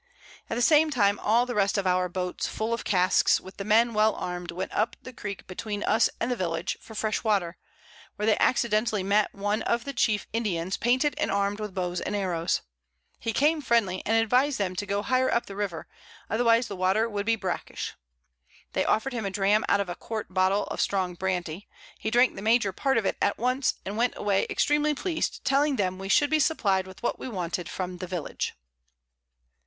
At the same time all the rest of our Boats full of Casks, with the Men well arm'd, went up the Creek between us and the Village, for fresh Water, where they accidentally met one of the chief Indians painted, and armed with Bows and Arrows: He came friendly, and advised them to go higher up the River, otherwise the Water would be brackish: They offer'd him a Dram out of a Quart Bottle of strong Brandy; he drank the major Part of it at once, and went away extreamly pleas'd, telling them we should be supply'd with what we wanted from the Village.